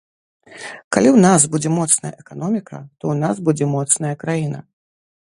Калі ў нас будзе моцная эканоміка, то ў нас будзе моцная краіна.